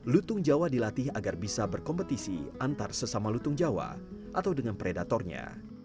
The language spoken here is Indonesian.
lutung jawa dilatih agar bisa berkompetisi antar sesama lutung jawa atau dengan predatornya